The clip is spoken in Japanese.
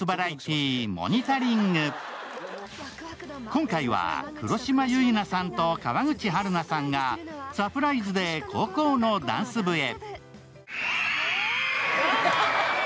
今回は黒島結菜さんと川口春奈さんがサプライズで高校のダンス部へ。